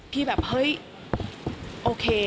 พี่แบบเฮ้ยโอเค